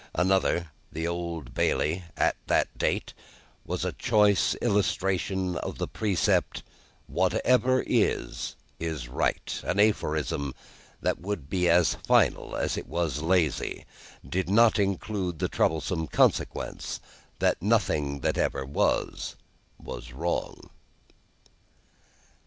Altogether, the Old Bailey, at that date, was a choice illustration of the precept, that "Whatever is is right;" an aphorism that would be as final as it is lazy, did it not include the troublesome consequence, that nothing that ever was, was wrong.